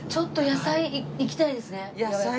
野菜は行きたいです。